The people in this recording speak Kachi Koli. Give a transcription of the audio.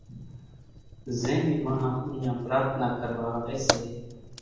زين ٻي ماڻۿان اُوڃان پرارٿنا ڪروا آوي سي